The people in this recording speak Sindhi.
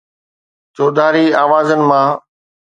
چوڌاري آوازن مان